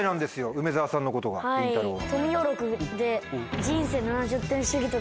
梅沢さんのことがりんたろうが。